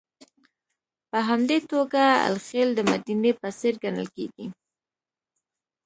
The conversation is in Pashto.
په همدې توګه الخلیل د مدینې په څېر ګڼل کېږي.